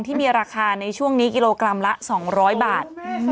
ที่มีราคาในช่วงนี้กิโลกรัมละ๒๐๐บาท